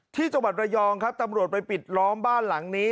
ที่จังหวัดระยองครับตำรวจไปปิดล้อมบ้านหลังนี้